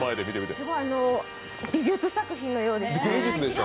すごい美術作品のようでした。